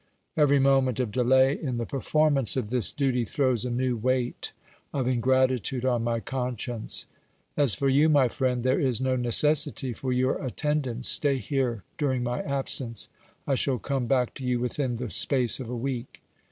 Every moment of delay in the performance of this duty throws a new weight of ingratitude on my conscience. As for you, my friend, there is no necessity for your attendance ; stay here during my absence ; I shall come back to you within the space of a week.